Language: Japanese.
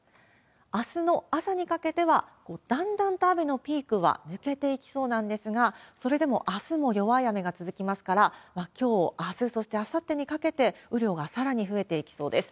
あすの朝にかけては、だんだんと雨のピークは抜けていきそうなんですが、それでもあすも弱い雨が続きますから、きょう、あす、そしてあさってにかけて、雨量がさらに増えていきそうです。